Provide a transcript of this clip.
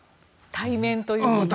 対面というのに。